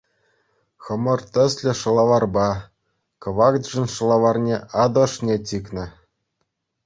Хӑмӑр тӗслӗ шӑлаварпа, кӑвак джинс шӑлаварне атӑ ӑшне чикнӗ.